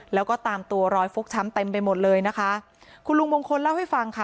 แล้วก็ตามตัวรอยฟกช้ำเต็มไปหมดเลยนะคะคุณลุงมงคลเล่าให้ฟังค่ะ